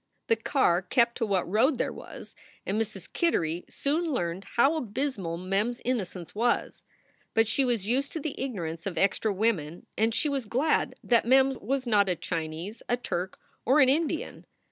The car kept to what road there was, and Mrs. Kittery soon learned how abysmal Mem s innocence was. But she was used to the ignorance of extra women and she was glad that Mem was not a Chinese, a Turk, or an Indian.